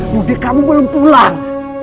budi kamu belum pulang